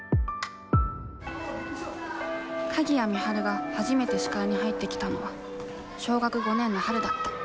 鍵谷美晴が初めて視界に入ってきたのは小学５年の春だった。